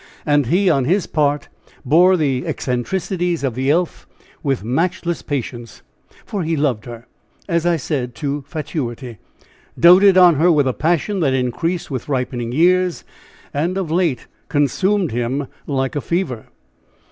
And he on his part bore the eccentricities of the elf with matchless patience, for he loved her, as I said, to fatuity doted on her with a passion that increased with ripening years, and of late consumed him like a fever.